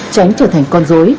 tránh trở thành con dối